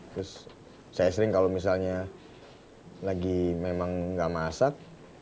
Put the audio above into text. terus saya sering kalo misalnya lagi memang gak masak